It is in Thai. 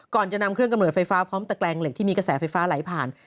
ก่อนจะนำเครื่องกำเนิดไฟฟ้าพร้อมตะแกรงเหล็กที่มีกระแสไฟฟ้าไหลผ่าน